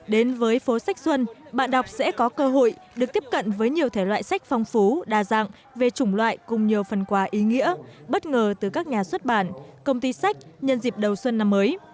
đến với phố sách xuân bạn đọc sẽ có cơ hội được tiếp cận với nhiều thể loại sách phong phú đa dạng về chủng loại cùng nhiều phần quà ý nghĩa bất ngờ từ các nhà xuất bản công ty sách nhân dịp đầu xuân năm mới